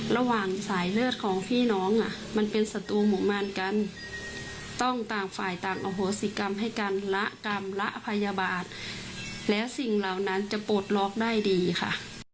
ระหว่างสายเลือดของพี่น้องมันเป็นศัตรูหมู่มารกันต้องต่างฝ่ายต่างอโหสิกรรมให้กันละกรรมละอภัยบาทและสิ่งเหล่านั้นจะปลดล็อกได้ดีค่ะ